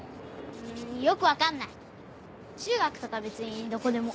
んよく分かんない中学とか別にどこでも。